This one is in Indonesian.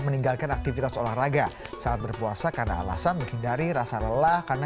meninggalkan aktivitas olahraga saat berpuasa karena alasan menghindari rasa lelah karena